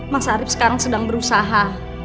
mas arief sekarang sedang berusaha